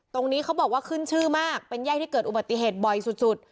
ตรงนี้เขาบอกว่าขึ้นชื่อมากเป็นแยกที่เกิดอุบัติเหตุบ่อยสุด